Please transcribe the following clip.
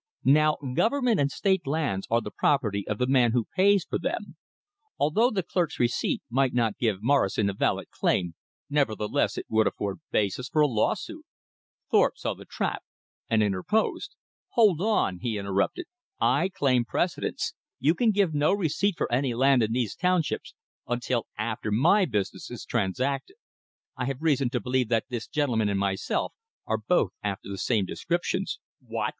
Now Government and State lands are the property of the man who pays for them. Although the clerk's receipt might not give Morrison a valid claim; nevertheless it would afford basis for a lawsuit. Thorpe saw the trap, and interposed. "Hold on," he interrupted, "I claim precedence. You can give no receipt for any land in these townships until after my business is transacted. I have reason to believe that this gentleman and myself are both after the same descriptions." "What!"